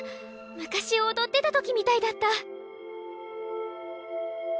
昔踊ってたときみたいだった。